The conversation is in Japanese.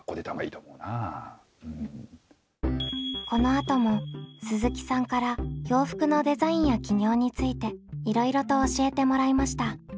このあとも鈴木さんから洋服のデザインや起業についていろいろと教えてもらいました。